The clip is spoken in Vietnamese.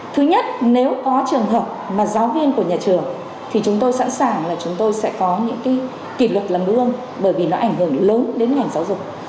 thứ nhất nếu có trường hợp mà giáo viên của nhà trường thì chúng tôi sẵn sàng là chúng tôi sẽ có những kỷ luật lầm gương bởi vì nó ảnh hưởng lớn đến ngành giáo dục